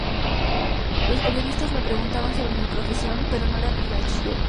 Los periodistas me preguntaban sobre mi profesión, pero no era ni bachiller.